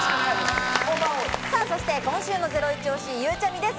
そして今週のゼロイチ推し、ゆうちゃみです。